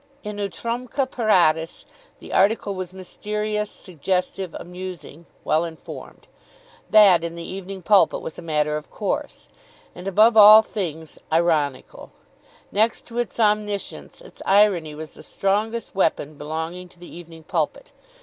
In utrumque paratus, the article was mysterious, suggestive, amusing, well informed, that in the "Evening Pulpit" was a matter of course, and, above all things, ironical. Next to its omniscience its irony was the strongest weapon belonging to the "Evening Pulpit."